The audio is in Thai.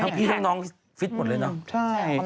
ทำให้พี่น้องฟิตหมดเลยเนอะใช่